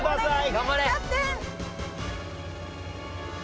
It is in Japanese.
頑張れ！